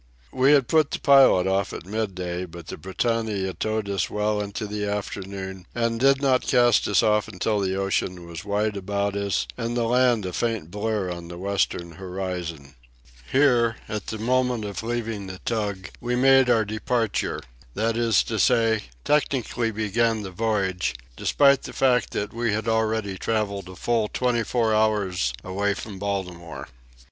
We had put the pilot off at midday, but the Britannia towed us well into the afternoon and did not cast us off until the ocean was wide about us and the land a faint blur on the western horizon. Here, at the moment of leaving the tug, we made our "departure"—that is to say, technically began the voyage, despite the fact that we had already travelled a full twenty four hours away from Baltimore.